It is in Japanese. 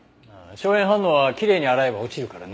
硝煙反応はきれいに洗えば落ちるからね。